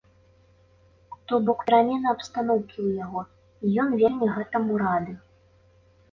То бок перамена абстаноўкі ў яго і ён вельмі гэтаму рады.